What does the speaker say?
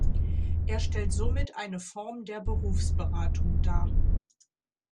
Er stellt somit eine Form der Berufsberatung dar.